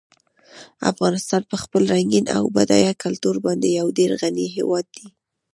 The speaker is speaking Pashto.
افغانستان په خپل رنګین او بډایه کلتور باندې یو ډېر غني هېواد دی.